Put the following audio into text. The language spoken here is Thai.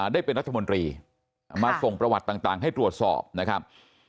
ได้เป็นรัฐมนตรีมาส่งประวัติต่างให้ตรวจสอบนะครับ